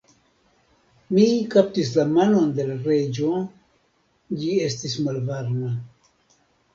Mi kaptis la manon de l' Reĝo: ĝi estis malvarma.